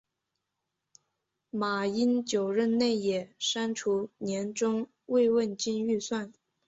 马英九任内也删除年终慰问金预算。